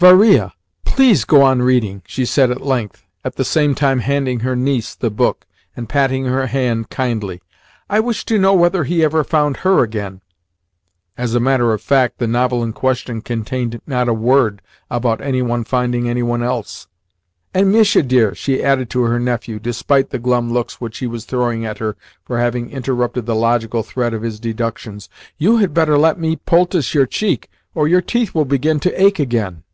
"Varia, PLEASE go on reading," she said at length, at the same time handing her niece the book, and patting her hand kindly. "I wish to know whether he ever found HER again" (as a matter of fact, the novel in question contained not a word about any one finding any one else). "And, Mitia dear," she added to her nephew, despite the glum looks which he was throwing at her for having interrupted the logical thread of his deductions, "you had better let me poultice your cheek, or your teeth will begin to ache again."